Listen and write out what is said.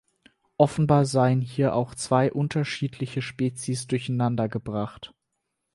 Offenbar seien hier auch zwei unterschiedliche Spezies durcheinandergebracht.